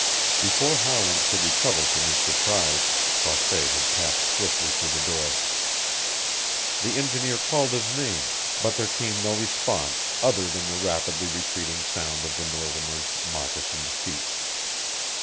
Before Howland could recover from his surprise Croisset had passed swiftly through the door. The engineer called his name, but there came no response other than the rapidly retreating sound of the Northerner's moccasined feet.